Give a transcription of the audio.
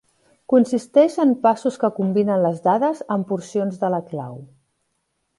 Consisteix en passos que combinen les dades amb porcions de la clau.